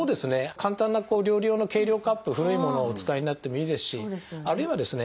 簡単な料理用の計量カップ古いものをお使いになってもいいですしあるいはですね